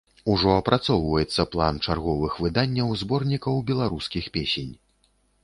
Ужо апрацоўваецца план чарговых выданняў зборнікаў беларускіх песень.